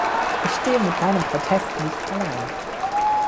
Ich stehe mit meinem Protest nicht allein.